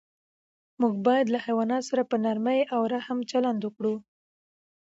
موږ باید له حیواناتو سره په نرمۍ او رحم چلند وکړو.